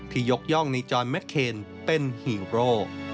ยกย่องในจอนแมทเคนเป็นฮีโร่